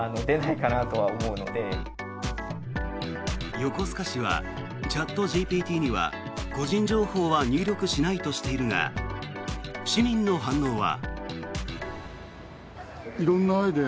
横須賀市はチャットＧＰＴには個人情報は入力しないとしているが市民の反応は。